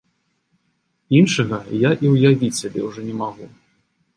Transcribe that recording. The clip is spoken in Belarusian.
Іншага я і ўявіць сябе ўжо не магу!